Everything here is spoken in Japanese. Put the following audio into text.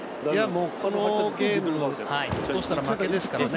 このゲームを落としたら負けですからね。